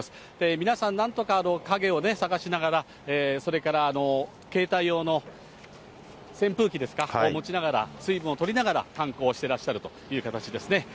皆さん、なんとか影を探しながら、それから携帯用の扇風機ですか、を持ちながら、水分をとりながら観光してらっしゃるという形ですね。